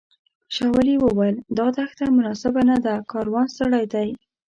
شاولي وویل دا دښته مناسبه نه ده کاروان ستړی دی.